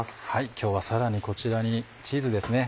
今日はさらにこちらにチーズですね。